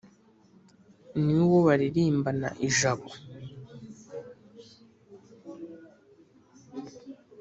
Ni uwo baririmbana ijabo